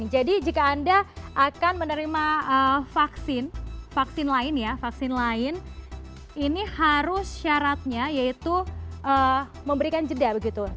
jadi jika anda akan menerima vaksin vaksin lain ya vaksin lain ini harus syaratnya yaitu memberikan jeda begitu